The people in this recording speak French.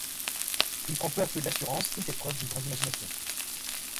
Il prend peu à peu de l'assurance et fait preuve d'une grande imagination.